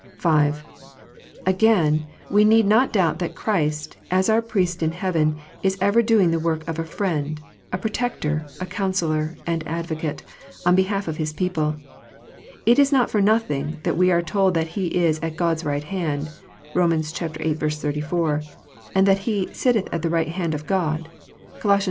(5) Again : we need not doubt that Christ, as our Priest in heaven, is ever doing the ivork of a Friend, a Protector, a Coun sellor, and Advocate, on behalf of His people. It is not for nothing that we are told that He is "at God s right hand" (Bom. viii. 34), and that He "sitteth at the right hand of God." (Coloss.